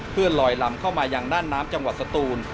เพื่อลอยลำเข้ามายังด้านน้ำจังหวัดสตูน